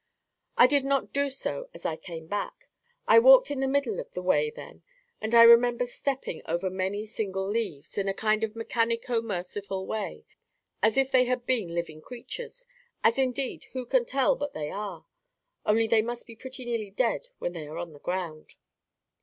I did not do so as I came back. I walked in the middle of the way then, and I remember stepping over many single leaves, in a kind of mechanico merciful way, as if they had been living creatures—as indeed who can tell but they are, only they must be pretty nearly dead when they are on the ground.